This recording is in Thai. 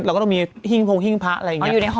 เราก็ต้องมีหิ้งพงหิ้งพระอะไรอย่างนี้